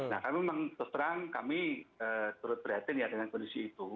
nah kami memang terus terang kami terus berhati hati ya dengan kondisi itu